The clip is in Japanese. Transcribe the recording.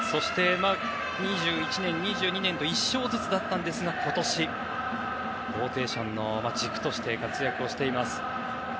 ２１年、２２年と１勝ずつだったんですが今年、ローテーションの軸として活躍をしています。